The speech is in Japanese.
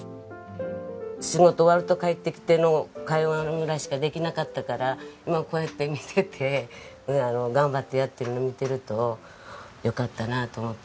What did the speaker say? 仕事終わると帰ってきての会話ぐらいしかできなかったから今こうやって見てて頑張ってやってるのを見てるとよかったなと思ってます。